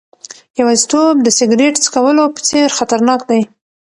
یوازیتوب د سیګریټ څکولو په څېر خطرناک دی.